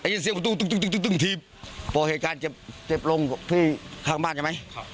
ยินเสียงประตูตึกตึกตึกตึกตึกทีบพอเหตุการณ์เจ็บเจ็บลงพี่ข้างบ้านใช่ไหม